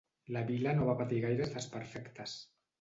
La vila no va patir gaires desperfectes.